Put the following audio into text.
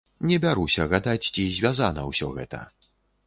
Не бяруся гадаць, ці звязана ўсё гэта.